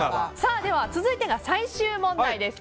では続いて最終問題です。